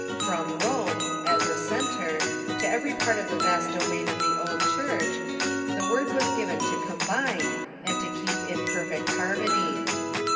From Rome, as a centre, Catholic to every part of the vast domain of the old Church, "'" the word was given to combine, and to keep in perfect harmony.